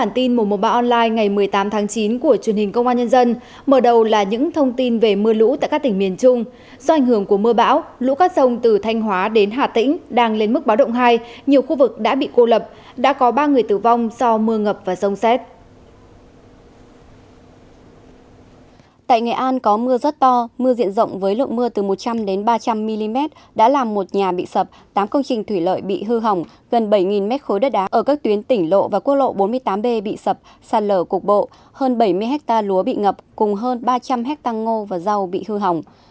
tại nghệ an có mưa rất to mưa diện rộng với lượng mưa từ một trăm linh ba trăm linh mm đã làm một nhà bị sập tám công trình thủy lợi bị hư hỏng gần bảy m khối đất đá ở các tuyến tỉnh lộ và quốc lộ bốn mươi tám b bị sập sàn lở cục bộ hơn bảy mươi hectare lúa bị ngập cùng hơn ba trăm linh hectare ngô và rau bị hư hỏng